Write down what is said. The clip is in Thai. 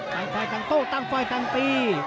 ตั้งฝ่ายตั้งโต้ตั้งฝ่ายตั้งตี